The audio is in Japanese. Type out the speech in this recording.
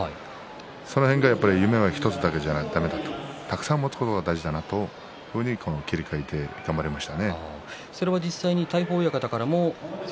その辺が夢は１つだけではだめだたくさん持つことが大事だというふうに切り替えて頑張りました。